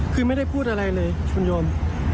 คือไม่ได้พูดอะไรเลยคุณโยม